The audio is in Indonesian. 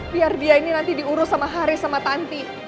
biar dia ini nanti diurus sama hari sama tanti